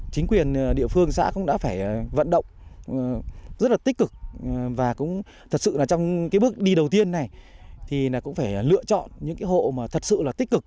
chính quyền địa phương xã cũng đã phải vận động rất là tích cực và cũng thật sự là trong cái bước đi đầu tiên này thì cũng phải lựa chọn những cái hộ mà thật sự là tích cực